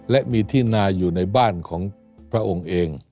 และมีที่นาอยู่ในบ้านของพระองค์เอง